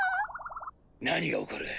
何が起こる？